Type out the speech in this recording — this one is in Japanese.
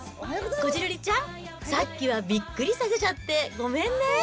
こじるりちゃん、さっきはびっくりさせちゃってごめんね。